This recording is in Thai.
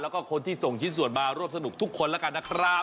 แล้วก็คนที่ส่งชิ้นส่วนมาร่วมสนุกทุกคนแล้วกันนะครับ